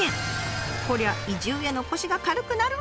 こりゃ移住への腰が軽くなるわ。